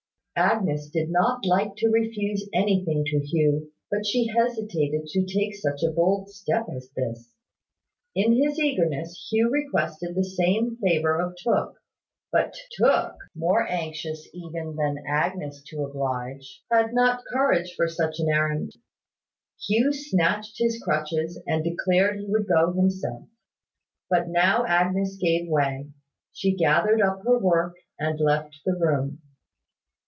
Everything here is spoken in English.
Agnes did not like to refuse anything to Hugh: but she hesitated to take such a bold step as this. In his eagerness, Hugh requested the same favour of Tooke; but Tooke, more anxious even than Agnes to oblige, had not courage for such an errand. Hugh snatched his crutches, and declared he would go himself. But now Agnes gave way. She gathered up her work, and left the room.